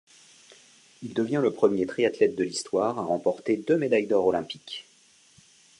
Il devient le premier triathlète de l'histoire à remporter deux médailles d'or olympique.